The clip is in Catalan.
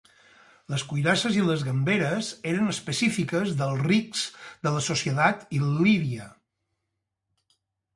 Les cuirasses i les gamberes eren específiques dels rics de la societat il·líria.